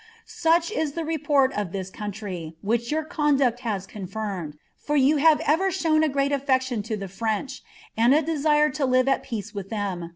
"Such is the report of this country, which your conduct has cot^ fimteii ; for ynii have ever shown a ^reat affeciton to the French, and a d^ifire In live at peace with ihem.